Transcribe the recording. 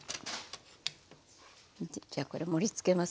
じゃあこれ盛りつけますね。